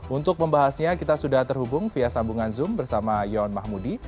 untuk membahasnya kita sudah terhubung via sambungan zoom bersama yon mahmudi